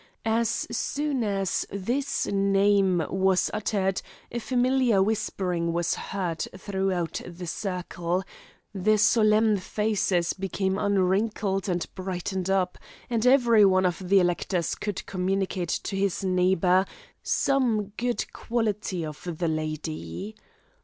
As soon as this name was uttered, a familiar whispering was heard throughout the circle, the solemn faces became unwrinkled and brightened up, and every one of the electors could communicate to his neighbour some good quality of the lady.